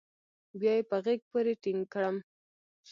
بيا يې په غېږ پورې ټينگ کړم.